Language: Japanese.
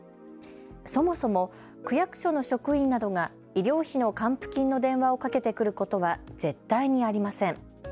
そもそも区役所の職員などが医療費の還付金の電話をかけてくることは絶対にありません。